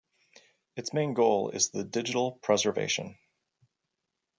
Its main goal is the digital preservation.